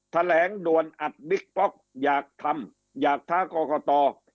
แถลงด่วนอัดบิ๊กป๊อกอยากทำอยากท้ากรกต